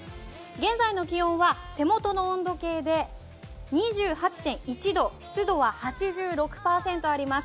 現在の気温は手元の温度計で２８．１度、湿度は８６％あります。